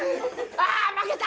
あぁ負けた！